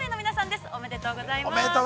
ご当選おめでとうございます！